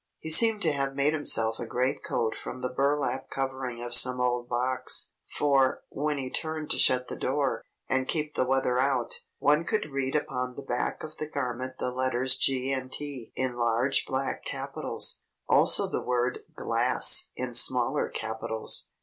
He seemed to have made himself a great coat from the burlap covering of some old box; for, when he turned to shut the door, and keep the weather out, one could read upon the back of the garment the letters "G & T" in large black capitals; also the word "GLASS" in smaller capitals.